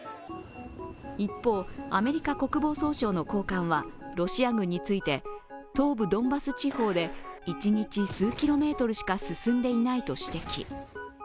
一方、アメリカ国防総省の高官はロシア軍について、東部ドンバス地方で一日数キロメートルしか進んでいないと指摘。